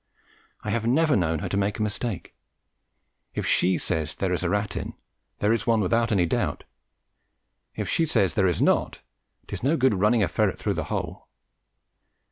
I have never known her make a mistake. If she says there is a rat in, there is one without any doubt; if she says there is not, it is no good running a ferret through the hole.